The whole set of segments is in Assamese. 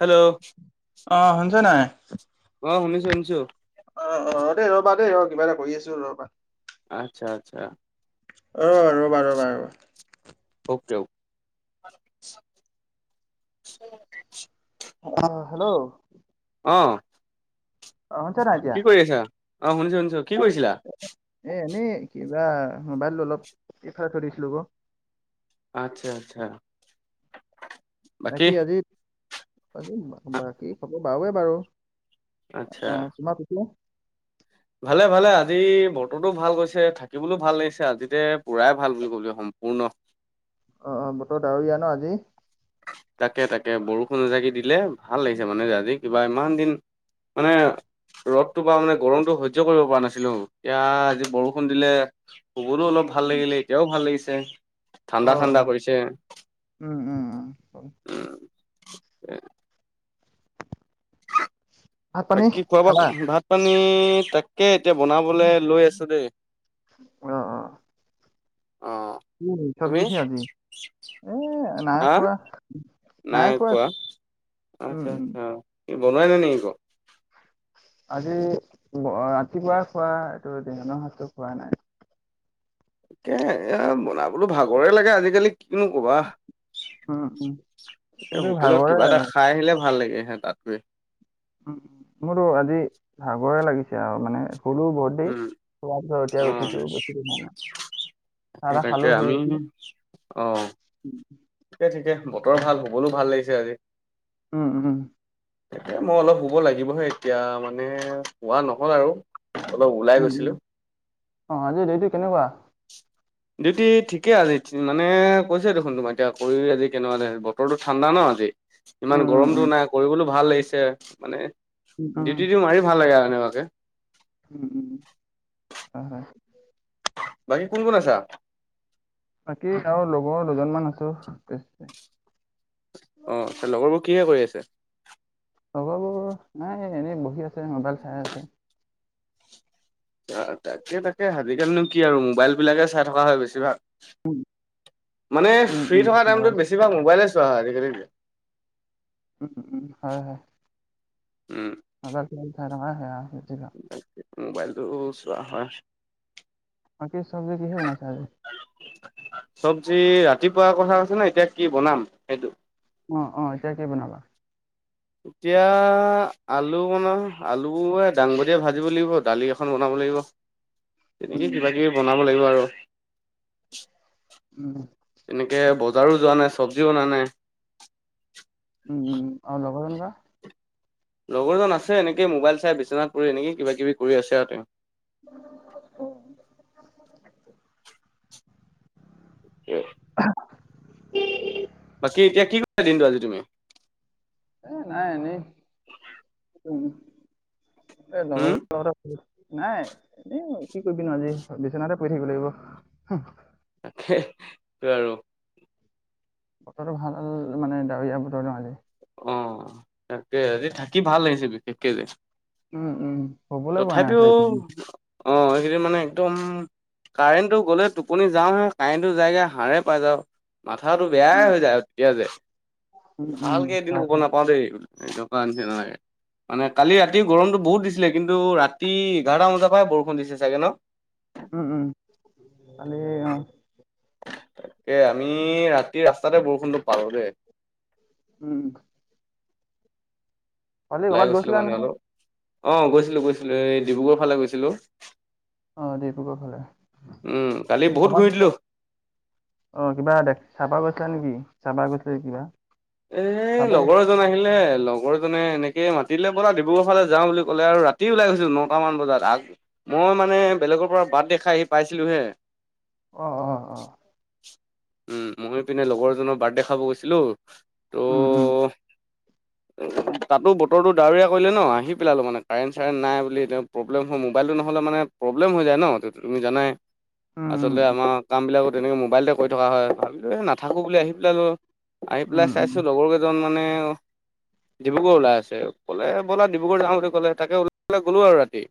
হেল্ল' অ, সোণ ছে নাই। অ, শুনিছো, শুনিছো। অ', অ', দেই ৰ'বা দেই ৰ কিবা এটা কৰি আছো ৰ'বা। আচ্ছা, আচ্ছা। ৰ, ৰ'বা, ৰ'বা, ৰ। [inaudible] আহ, হেল্ল'? অ'। অ, শ, হৈছে নাইতিয়া কি কৰি আছা অ শুনিছো শুনিছো কি কৰিছিলা এ, নি কিবা মোবাইলটো অলপ এফা চৰিছিলো ব। আচ্ছা, আচ্ছা। বাকী আজি, বাকী খব বাৰৱে বাৰু। আচ্ছা। অ তোমাৰ পিছে ভালে, ভালে আজি বতৰতো ভাল গৈছে, থাকিবলৈও ভাল লাগিছে, আজিতে পুৰায় ভাল বুলি ক'ল সম্ভৱ। শূন অ', অ', বতৰ ডাৱৰীয়া ন, আজি। তাকে-তাকে, বৰষুণ এজাকি দিলে ভাল লাগিছে। মানে আজি, কিবা ইমান দিন মানে, ৰ'দটো পা, মানে, গৰমটোতো সহ্য কৰিব পৰা নাছিলোঁ। এতিয়া, আজি বৰষুণ দিলে। খবৰো অলপ ভাল লাগিলে, এতিয়াও ভাল লাগিছে। ঠাণ্ডা অ', ঠাণ্ডা অ', কৰিছে উম, উম, উম। [unintelligible] ভাত পানী বাকী, খালা খোৱা-বোৱা, ভাত-পানী, তাকে এতিয়া বনাবলৈ লৈ আছোঁ দেই। অ', অ'। অ, কি তুমি? চব্জিহে আজি এ নাই হাঁ, খোৱা নাই কোৱা। উম আচ্ছা, উম আচ্ছা। কি বনোৱাই নে নেকি ক? আজি, ৰাতিপুৱাই খোৱা। এইটো, দিহানৰ হাতটো খোৱা নাই। এ, এ, বনাবলৈ ভাগৰে লাগে আজিকালি। কিনো ক'বা! উম উম এ, কিন্তু হোটেলত ভাগৰে কিবা এটা খাই আহিলে। ভাল লাগে হে, তাত গৈ। উ, মোৰতো আজি ভাগৰে লাগিছে, আৰু মানে। শুলো [unintelligible] উম অ এতিয়া উঠিছো বেছি [unintelligible] হোৱা নাই। চাহ তাকে, তাহ খালো তাকে শুই আমি উঠি। অ, ঠিকে, ঠিকে ব বতৰ ভাল, শুবলৈ ভাল লাগিছে আজি। উম, উম। এই, মই অলপ শুব লাগিবহে এতিয়া। মানে, শোৱা নহ'ল আৰু। অলপ ওলাই উম, উম, গৈছিলোঁ। অ, আজি দেউটি কেনেকুৱা? ডিউটি ঠিকে আজি। মানে, কৈছোৱে দেখোন তোমাৰ, এতিয়া কৰি আজি কেনেকুৱা লাগিল বতৰটো ঠাণ্ডা ন আজি। উম, ইমান উম, গৰমটো নাই, কৰিবলৈও ভাল লাগিছে। মানে, উম, উম, উম, ডিউটি দি মাৰি ভাল লাগে আৰু এনেকুৱা। [unintelligible] উম, উম। হয়, হয়। বাকী, কোন, কোন আছা? বাকী, আৰু লগৰ দুজনমান আছোঁ। অ', এই লগৰবোৰ কিহে কৰি আছে? লগৰবোৰ নাই, এনেই বহি আছে, মোবাইল চাই আছে। তাকে-তাকে, আজিকালিনো কি আৰু! মোবাইলবিলাকে চাই থকা হয় বেছিভাগ। মানে, উম, ফ্ৰী উম, থকা মোবাইল টাইমটোত বেছিভাগ মোবাইলে চোৱা হয় আজিকালি। উম, উম। হয়, হয়। উম। মবাইল খুলি চাই থকাৱে হয়, আৰু বেছিভাগ। ত চোৱা হয়। বাকী, চবজি কিহে বনাইছা আজি? চবজি, ৰাতিপুৱাৰ কথা হৈছে নে? এতিয়া কি বনাম সেইটো? অ', অ',। এতিয়া কি বনাবা? এতিয়া আলু বনাম। আলু এ দাংবদিয়ে ভাজিব লাগিব, দালি এখন বনাব তেনেকে উম, কিবা কিবি বনাব লাগিব আৰু। উম, তেনেকে, বজাৰো যোৱা নাই, চবজিও অনা নাই। উম, আৰু লগৰ কেনেকোৱা? লগৰজন আছে, এনেকে মোবাইল চাই, বিচনাত পৰি, এনেকে কিবা-কিবি কৰি আছে আৰু তেওঁ। [inaudible] [unintelligible] বাকী এতিয়া কি [inaudible] দিনটো আজি তুমি? এ, নাই, এনেই। এ হম [inaudible] নাই এনে কি কৰিবি নো আজি বিচনতে কৰি থাকিব লাগিব তাকেই আৰু বতৰটো ভাল মানে ডাৱৰীয়া বতৰটো মালি অ তাকে আজি থাকি ভাল লাগিছে একে যে উম উম স'বোলৈ ব নাই আছিল অঁ সেইখিনি মানে একদম কাৰেণ্টটো গ'লে টোপনি যাওঁহে কাৰেণ্টটো যায়গে হাড়ে পাই যাওঁ মাথাটো বেয়াই হৈ যায় সতিয়া যে উম উম ভালকে এদিন হয়, ক'ব হয়। নাপাও দেই নিচি মানে কালি ৰাতি গৰমটো বহুত দি ছিলে কিন্তু ৰাতি এঘাৰটা বজাৰ পৰাই বৰষুণ দিছে চাগে ন উম উম আালে এ আমি ৰাতি ৰাস্তাতে বৰষুণটো পাৰো দেই উম হলি ওলাই ক'ৰবাত গৈছিলো গৈছিলা মানে নহয় অলপ। অ গৈছিলো গৈছিলো এই ডিব্ৰুগড় ফালে গৈছিলো আহ ডিব্ৰুগড় ফালে উম কালি বহুত ঘূৰি দিলো। অ কিবা দেখ চাহপা গৈছিলা নেকি চপা গৈছিলা কিবা এ চাব গৈ লগৰ এজন আহিলে লগৰজনে এনেকে ত মাতিলে পৰা ডিব্ৰুগড়ালে যাওঁ বুলি ক'লে আৰু ৰাতি ওলাই গৈছো নটামান বজাত আ মই মানে বলে পৰা বাট দেখাই আহি পাইছিলো হে আহ অ অ উম মই পিনে লগৰজনৰ বাৰ্থডে খাব গৈছিলো উম উম ত' [unintelligible] তাতো বতৰটো ডাৱৰীয়া কৰিলে ন আহি পেলালো মানে কাৰেণ্ট চাৰেণ্ট নাই বুলি এ প্ৰব্লেম হয় মোবাইলতো নহয় মানে প্ৰব্লেম হৈ যায় ন টো তুমি জানাই উম, আচলতে উম, আমাৰ কামবিলাকত তেনেকৈ মোবাইলতে কৈ থকা হয় ভাবিলোঁ এই নাথাকোঁ বুলি আহি পেলাইো আহি পেলাই উম, উম, চাইছোঁ লগৰ কেইজন মানে অ। ডিব্ৰুগড় ওলাই আছে, ক'লে ব'লা ডিব্ৰুগড় যাওঁ বুলি ক'লে তাকে ওলাই গ'লো আৰু ৰাতি।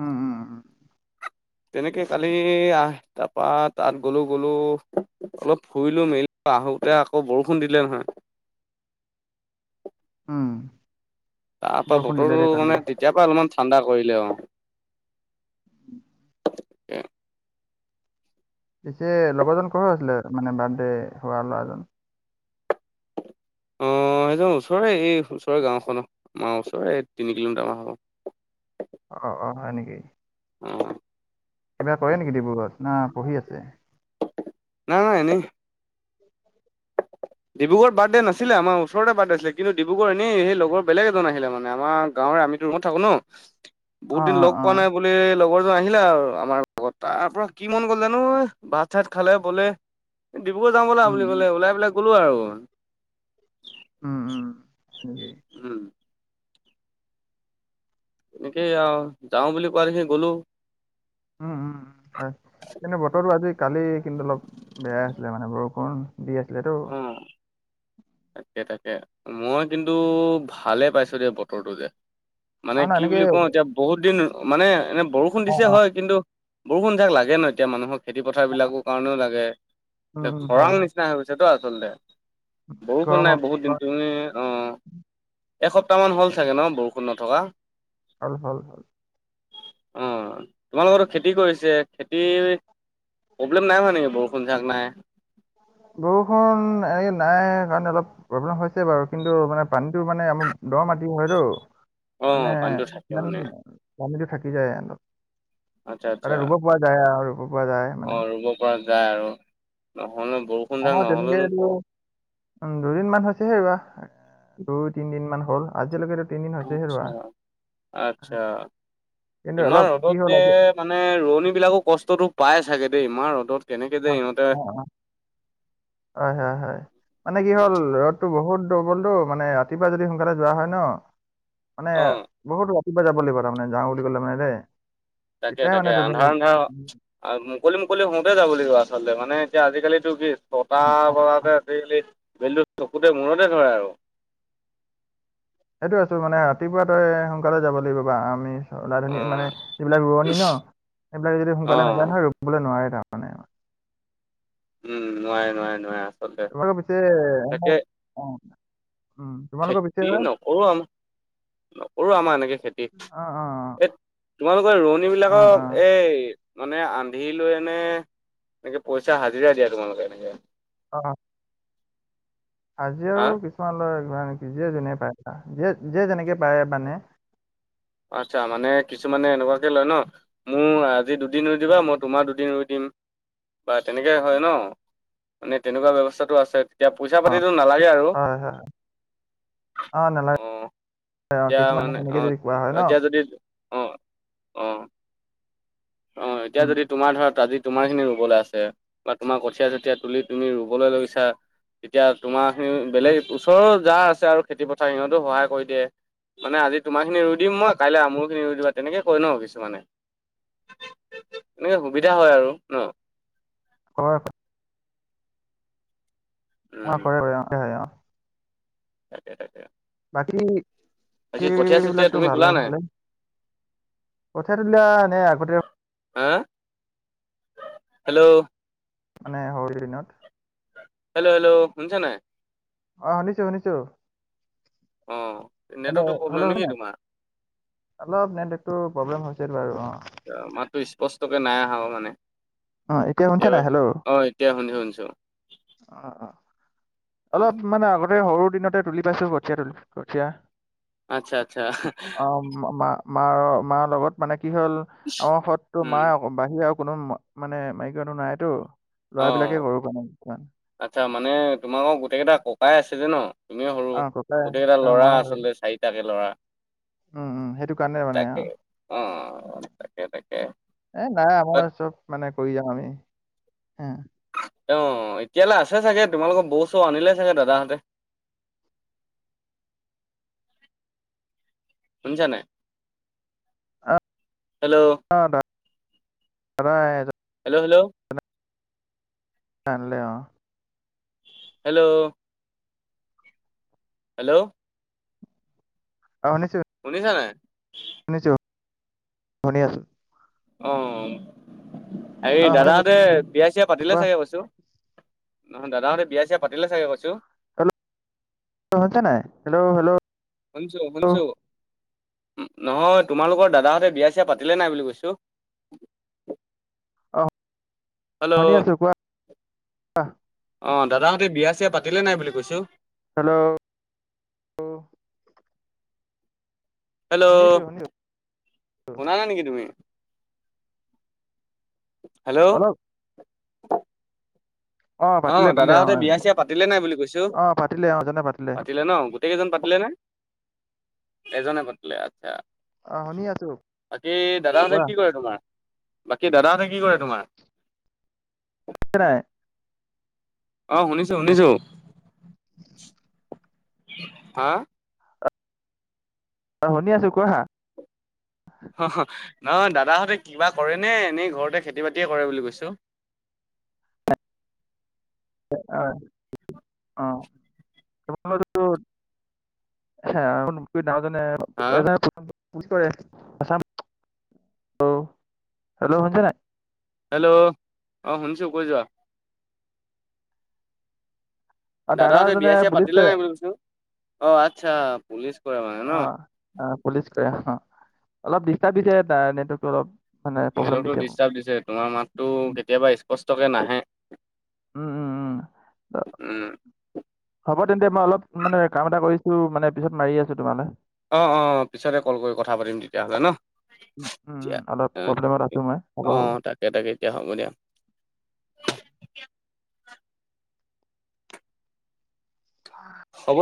উম, উম, উম, তেনেকে কালি আহ তাৰ পৰা তাত গ'লো গ'লো অলপ ফুৰিলো মেলিলো আহোতে আকৌ বৰষ ষুণ দিলে নহয়। উম। তাৰ পৰা বৰষুণ দিলে বতৰটো দে কালি। মানে তেতিয়াৰ পৰা অলপমান ঠাণ্ডা কৰিলে আৰু। [inaudible] [inaudible] পিছে লগৰজন কৰ আছিলে মানে বাৰ্থডে হোৱা ল'ৰাজন? অ। অ সেইজন ওচৰৰে, এই ওচৰৰে গাঁওখন, আমাৰ ওচৰৰে তিনি কিলোমিটাৰ মান হব। অ অ হয় নেকি অ। কিবা কৰে নেকি ডিব্ৰুগড় না পঢ়ি আছে? নাই নাই এনেই। ডিব্ৰুগড় বাৰ্থডে নছিলে, আমাৰ ওচৰতে বাৰ্থডে আছিলে। কিন্তু ডিব্ৰুগড় এনে সেই লগৰ বেগ এজন আহোনে আমাৰ গাঁ আমিতো ৰুমত থাকো ন, অ বহুত দিন অ লগ অ পোৱা নাই বুলি লগৰ আহিলা আৰু আমাৰ লগত তাৰ পৰা কি মন গ'ল জানো এই ভাত চাত খালে বলে এই ডিব্ৰুগড় যাম ব'লা উম বুলি ক'লে ওলাই পেলাই গ'লো আৰু। উম উম তাকে। উম, এনেকেই আহ যাও বুলি কোৱা দেখি গ'লো। উম-উম-উম, হয়। কিন্তু বতৰটো আজি কালি কিন্তু অলপ বেয়াই আছিলে মানে বৰষুণ দি আছিলেতো। অ', তাকে তাকে মই কিন্তু ভালে পাইছো দিয়া বতৰটো যে। মানে নহয় নহয় কি এনেকে বুলি কওঁ এতিয়া বহুত দিন মানে এনে বৰষুণ অ দিছে অ হয় কিন্তু বৰষুণ যাক লাগে ন এতিয়া মানুহক খেতি পথাৰ বিলাকৰ কাৰণেও লাগে, উম এতিয়া উম হয় খৰাং হয় নিচিনা হৈ গৈছে [unintelligible] আচলতে। বৰষুণ নাই গৰমত বহুত দিনটো অ একসপ্তাহ মান হ'ল চাগে ন বৰষুণ ষুণ নথকা? হ'ল হ'ল। অ তোমালোকৰ ত খেতি কৰিছে খেতি প্ৰব্লেম নাই হয়োৱা নেকি বৰষুন জাক নাই? বৰষুণ এনে নাই কাৰণে অলপ প্ৰব্লেম হৈছে বাৰু। কিন্তু মানে পানীতটো মানে আমা দৰ মাটি হয়তো, অ মানে পানীটো থাকে মানে পানীটো থাক আচ্ছা আচ্ছা [unintelligible] ৰুব পৰা যায় আৰু। ৰুব পৰা যায় মানে। অ ৰুব পৰা যায় আৰু নহ'লে বৰষুণ আমাৰ দাল তেনেকে নহলে নো এইটো ক উম দুদিন মান হৈছে হে ৰুবা। দুই তিনদিন মান হ'ল আজিলৈকে তিনিদিন হৈছে হে ৰুবা। আচ্ছা আচ্ছা ইমান ৰ'দত যে মানে ৰোৱনী বিলাকো কষ্টতটো পাই চাগে দেই, ইমান ৰ'দত কেনেকে যে সিহঁতে হয়-হয়-হয় মানে কি হ'ল ৰ'দতটো বহুত দৰ্বলতটো মানে ৰাতিপুৱা যদি সোনকালে যোৱা হয় ন, মানে অ বহুত কিবা যাব লাগিব তাৰমানে যাওঁ বুলি ক'লে মানে দে তাকে তাকে আন্ধাৰ আন্ধাৰ মুকলি মুকলি হওঁতে যাব লাগিব আচলতে মানে এতিয়া আজিকালি ছয়তা বজাত আজি কালি বেলি চকুতে মূৰতে ধৰে আৰু। সেইটোৱে মানে ৰাতিপুৱা তই সোনকালে যাব লাগিব বা আমি অলা অ ধনী মানে, যিবিলাক ৰুৱোনী ন সেইবিলাক যদি অ সোনকালে নেযায় নহয় ৰুবলৈ নোৱাৰে তাৰ মানে উম নোৱাৰে-নোৱাৰে-নোৱাৰে। তোমালোকৰ পিছে উম, তোমালোকৰ পিছে খেতি অ', নকৰো আমাৰ, নকৰো আমাৰ এনেকে খেতি। অ', অ', এই তোমালোকৰ ৰোৱনী অ', বিলাকক অ', এই মানে আন্ধি লৈ এনে, এনেকে পইচা হাজিৰা দিয়া তোমালোকে এনেকে। অ'। হাজিৰাও হা আৰু কিছুমান লয়। [unintelligible] যিয়ে যেনেকে পায়ছা যিয়ে যে যেনেকে পায় মানে আচ্ছা মানে কিছুমানে এনেকুৱাকে লয় ন' মোৰ আজি দুদিন ৰুই দিবা উম। মই তোমাৰ দুদিন ৰুই দিম বা তেনেকৈ হয় ন মানে তেনেকুৱা ব্যৱস্থাটো আছে। এতিয়া পইচা পাতিতো নালাগে আৰু, হয়, হয়, অ', নালাগে অ'। অ', এতিয়া কিছুমানে মানে সেনেকে অ', যদি কোৱা হয় ন। এতিয়া যদি অ', অ'। অ', এতিয়া উম। যদি তোমাৰ ধৰা আজি তোমাৰ খিনি ৰুবলৈ আছে বা তোমাৰ কঠীয়া যেতিয়া তুলি তুমি ৰুবলৈ লৈছা, তেতিয়া তোমাৰ উম। বেলেগ ওচৰৰ যাৰ আছে আৰু খেতি পথাৰ সিহঁতো সহায় কৰি দিয়ে। মানে আজি তোমাৰ খিনি ৰুই দিম মই কাইলৈ মোৰ খিনি ৰুই দিবা তেনেকে কৈ ন কিছুমানে। এনেকে সুবিধা হয় আৰু ন। হয়। অ', উম কৰে [unintelligible] তাকে তাকে। বাকী বাকি কঠিয় চঠিয়া বিলাকতো তুমি ভালে তোলা নে নাই? ভালে। কঠিয়া তুলিয়া এনে আগতে হা? হেল্ল'। মানে শৰু দিনত হেল্ল' হেল্ল' শুনিছা নাই? অ', শুনিছোঁ শুনিছোঁ। [unintelligible] অ নেটৱৰ্কটো হেল্ল প্ৰব্লেম হয় নেকি ন তোমাৰ অলপ ইয়াতে নেট তো প্ৰব্লেম হৈছে বাৰু অ'। তোকে নাই আহা অ', মানে। আহ এতিয়া শুনিছে কেতিয়াবা নাই হেল্ল'? অ এতিয়া শুনি শুনিছো অ', অ'। অলপ মানে আগতে সৰু দিনতে তুলি পাইছো কঠীয়া তুলি কঠীয়া। আচ্ছা আচ্ছা অ', ম মা মাৰ মাৰ লগত মানে কি হ'ল আমাৰ সতো মা উম বাহিৰে আৰু কোন কোনো মা মানে মাইকী মানুহ নাইতো। অ ল'ৰাবিলাকে কৰোঁ মানে কিছুমান আচ্ছা মানে তোমাকৰ গোটেই কেইটা ককাই আছে যে ন? তুমি সৰু অ ককাই গোটেইকেইটা অ ল'ৰা মই আৰু। আচলতে চাৰিটাকে লৰা। উম উম সেইটো কাৰণে মানে অ তাকে অ', তাকে তাকে। এ নাই বাক আমাৰ চব মানে কৰি যাাম আমি হ। অ', এতিয়ালৈ আছে চাগে তোমালোকৰ বৌ ছৌ আনিলে চাগে দাদাহঁতে। [unintelligible] শুনিছা নাই? অ hello. [unintelligible] Hello hello. [unintelligible] Hello. Hello. শুনিছা নাই? শুনিছো, শুনি আছোঁ। অ', হেৰি অ শুনি আছোঁ দাদাহতে বিয়া চিয়া পাতিলে কোৱা চাগে কৈছোঁ। নহয় দাদাহঁতে বিয়া চিয়া পাতিলে চাগে কৈছো। হেল্ল', হৈছে নাই হেল্ল' হেল্ল'। শুনচো শুনচো। নহয়, তোমালোকৰ দাদাহঁতে বিয়া-চিয়া পাতিলে নে নাই বুলি কৈছোঁ। [inaudible] অ শুনি আছোঁ কোৱা কোৱা। অ', দাদাহঁতে বিয়া-চিয়া পাতিলে নে নাই বুলি কৈছোঁ। Hello hello! শুনিছোঁ শুনিছোঁ শুনা নাই নেকি তুমি? হেল্ল'! অলপ পাতিলে অ', পাতিলে দাদাহঁতে অ' বিয়া-চিয়া পাতিলে নাই বুলি কৈছোঁ। অ' পাতিলে অ' এজনে পাতিলে ন গোটেই কেইজন পাতিলে নে? এজনে পাতিলে, আচ্ছা। অ' শুনি আছো বাকী দাদাহঁতে কোৱা কি কৰে তোমাৰ? বাকী দাদাহঁতে কি কৰে তোমাৰ? নে নাই অ', শুনিছো শুনিছো। হা? অ', শুনি আছো কোৱা। হ হ। নহয় দাদাহঁতে কিবা কৰে নে এনেই ঘৰতে খেতি-বাতিয়ে কৰে বুলি কৈছোঁ। [inaudible] অ'। [inaudible] [unintelligible] [unintelligible] হা পুছ কৰে। আছাম, হেল্ল' শুনিছে নে নাই? হেল্ল' অ', শুনিছো কৈ যোৱা। অ' দাদা দাদাহঁতে এজনে বিয়া-চিয়া পুলিচ পাতিলে নে কৰে নাই বুলি কৈছোঁ। অ', আচ্ছা পুলিচ কৰে মানে ন। অ' অ' পুলিচ অলপ ডিষ্টাৰ্ব দিছে নেটৱৰ্কটো অলপ। মানে প্ৰব্লেম নেটৱৰ্কটো দিছে মোক ডিষ্টাৰ্ব দিছে। তোমাৰ মাতটো কেতিয়াবা স্পষ্টকে নাহে। উম, উম, উম, উম হ'ব তেন্তে মই অলপ মানে কাম এটা কৰিছ ছো মানে পিছত মাৰি আছো তোমালে। অ', অ', পিছতে কল কৰি কথা পাতিম তেতিয়াহ'লে ন? উম উম অলপ প্ৰব্লেমত আছো মই হ'ব হ'ব অ', তাকে তাকে এতিয়া হ'ব দিয়া। [unintelligible] হ'ব [inaudible]